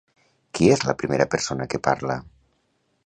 Qui és la primera persona que parla?